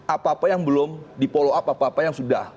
apa apa yang belum di follow up apa apa yang sudah